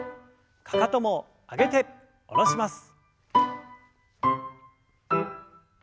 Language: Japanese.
かかとも上げて下ろします。